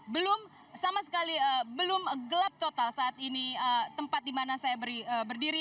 belum sama sekali belum gelap total saat ini tempat di mana saya berdiri